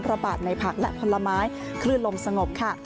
ระบาดในผักและผลไม้คลื่นลมสงบค่ะ